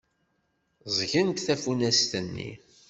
Ẓẓgent tafunast-nni.